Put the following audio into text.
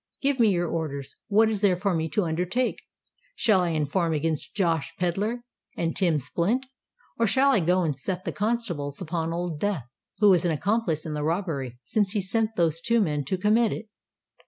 Give me your orders—what is there for me to undertake? Shall I inform against Josh Pedler and Tim Splint? or shall I go and set the constables upon Old Death, who was an accomplice in the robbery, since he sent those two men to commit it."